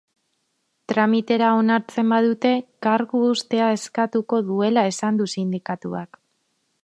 Tramitera onartzen badute kargu-uztea eskatuko duela esan du sindikatuak.